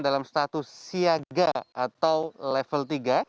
dalam status siaga atau level tiga